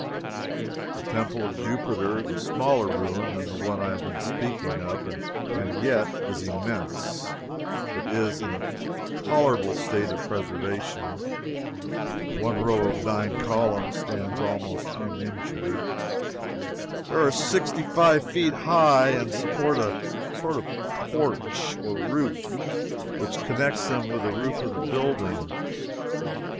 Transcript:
The Temple of Jupiter is a smaller ruin than the one I have been speaking of, and yet is immense. It is in a tolerable state of preservation. One row of nine columns stands almost uninjured. They are sixty five feet high and support a sort of porch or roof, which connects them with the roof of the building.